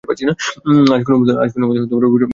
আজ কোনোমতেই অভিনয় হতেই পারে না।